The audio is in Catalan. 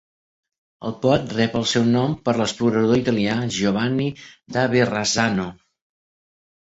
El pot rep el seu nom per l'explorador italià Giovanni da Verrazzano.